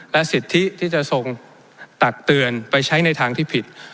และสิทธิที่จะทรงตักเตือนไปใช้ในทางที่ผิด